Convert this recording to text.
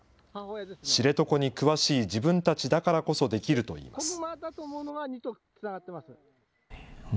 知床に詳しい自分たちだからこそできるといいます。